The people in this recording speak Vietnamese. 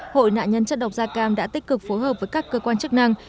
hội nạn nhân chất độc da cam đã tích cực phối hợp với các cơ quan chức năng